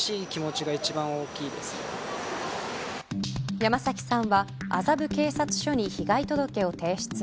山崎さんは麻布警察署に被害届を提出。